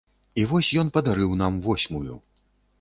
І вось ён падарыў нам восьмую.